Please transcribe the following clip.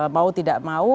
mau tidak mau